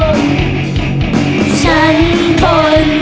ที่จะรอบ